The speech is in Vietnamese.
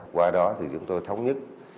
qua đó thì chúng tôi thống nhất